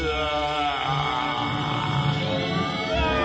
ああ！